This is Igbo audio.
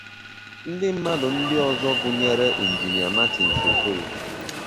Ndi mmadụ ndi ọzọ gunyere Engr Martins Okoye